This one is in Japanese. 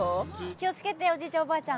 気をつけて、おじいちゃん、おばあちゃん。